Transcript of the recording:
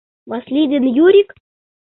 — Васлий ден Юрик?